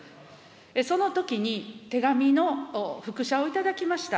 そのときに、手紙の複写を頂きました。